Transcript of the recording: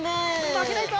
まけないぞ！